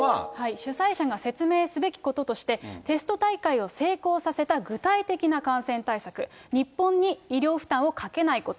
主催者が説明すべきこととして、テスト大会を成功させた具体的な感染対策、日本に医療負担をかけないこと。